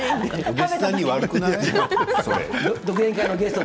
お弟子さんに悪くない？